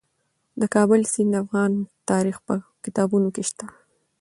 د کابل سیند د افغان تاریخ په کتابونو کې شته.